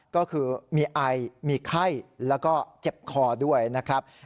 ก็คือมีไอมีไข้แล้วก็เจ็บคอด้วยนะครับ